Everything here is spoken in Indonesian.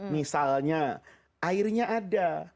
misalnya airnya ada